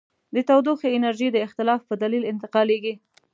د تودوخې انرژي د اختلاف په دلیل انتقالیږي.